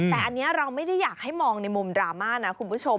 แต่อันนี้เราไม่ได้อยากให้มองในมุมดราม่านะคุณผู้ชม